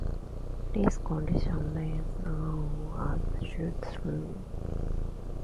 This condition is known as shoot-through.